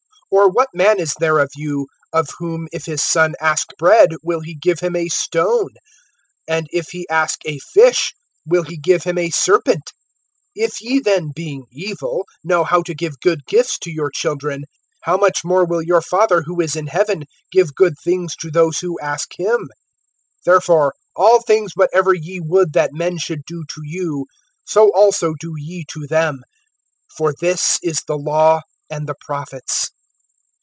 (9)Or what man is there of you, of whom if his son ask bread, will he give him a stone? (10)And if he ask a fish, will he give him a serpent? (11)If ye then, being evil, know how to give good gifts to your children, how much more will your Father who is in heaven give good things to those who ask him? (12)Therefore all things whatever ye would that men should do to you, so also do ye to them; for this is the law and the prophets.